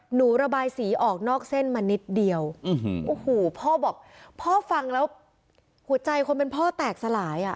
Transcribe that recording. หนูระบายสีออกนอกเส้นมานิดเดียวโอ้โหพ่อบอกพ่อฟังแล้วหัวใจคนเป็นพ่อแตกสลายอ่ะ